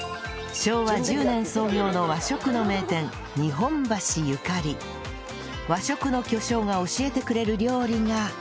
昭和１０年創業の和食の名店和食の巨匠が教えてくれる料理が